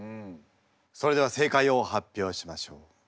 それでは正解を発表しましょう。